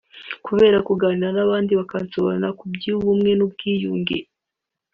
kubera kuganira n’abandi bakansobanurira iby’ubumwe n’ubwiyunge”